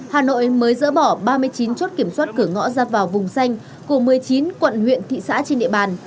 hà nội mới dỡ bỏ ba mươi chín chốt kiểm soát cửa ngõ ra vào vùng xanh của một mươi chín quận huyện thị xã trên địa bàn